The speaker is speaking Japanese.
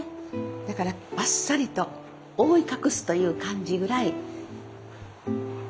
だからバッサリと覆い隠すという感じぐらい。